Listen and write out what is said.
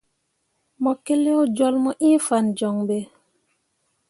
Mo keleo jolle mu ĩĩ fan joŋ ɓe.